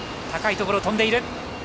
高いところを飛んでいる。